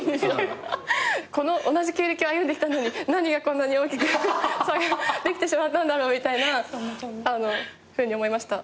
この同じ経歴を歩んできたのに何がこんなに大きく差ができてしまったんだろうみたいなふうに思いました。